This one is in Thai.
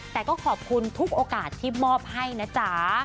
แต่ก็ขอบคุณทุกโอกาสที่มอบให้นะจ๊ะ